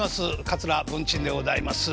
桂文珍でございます。